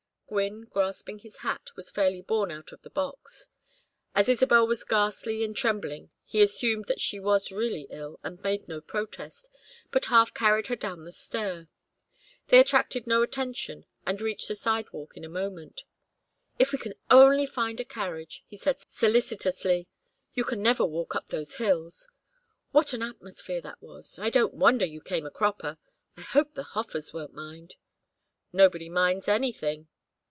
Gwynne, grasping his hat, was fairly borne out of the box. As Isabel was ghastly and trembling he assumed that she was really ill, and made no protest, but half carried her down the stair. They attracted no attention and reached the sidewalk in a moment. "If we can only find a carriage!" he said, solicitously. "You never can walk up those hills. What an atmosphere that was! I don't wonder you came a cropper. I hope the Hofers won't mind " "Nobody minds anything."